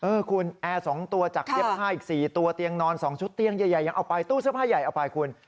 คุณแอร์๒ตัวจากเย็บผ้าอีก๔ตัวเตียงนอน๒ชุดเตียงใหญ่ยังเอาไปตู้เสื้อผ้าใหญ่เอาไปคุณ